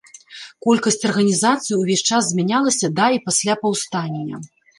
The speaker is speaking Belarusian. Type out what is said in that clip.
Колькасць арганізацыі ўвесь час змянялася да і пасля паўстання.